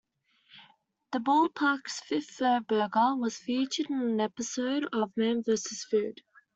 The ballpark's Fifth Third Burger was featured on an episode of Man versus Food.